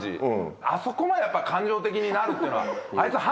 あそこまでやっぱ感情的になるっていうのは。